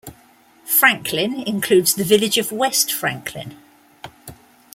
Franklin includes the village of West Franklin.